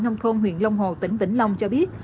nông thôn huyện long hồ tỉnh vĩnh long cho biết